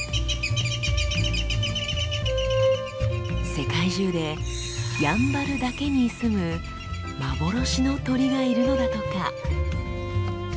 世界中でやんばるだけに棲む幻の鳥がいるのだとか。